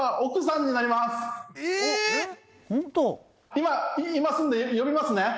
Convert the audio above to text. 今いますんで呼びますね。